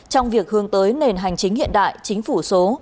trong việc hướng tới nền hành chính hiện đại chính phủ số